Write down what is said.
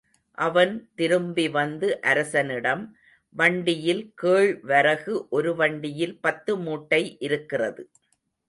அவன் திரும்பி வந்து அரசனிடம், வண்டியில் கேழ் வரகு, ஒரு வண்டியில் பத்து மூட்டை இருக்கிறது.